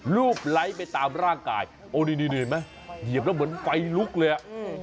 รูปไลค์ไปตามร่างกายโอ้นี่เห็นไหมเหยียบแล้วเหมือนไฟลุกเลยอ่ะ